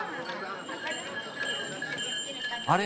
あれ？